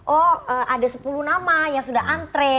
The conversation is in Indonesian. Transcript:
oh ada sepuluh nama yang sudah antre